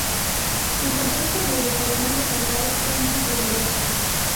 El control sobre los animales sagrados fue muy riguroso.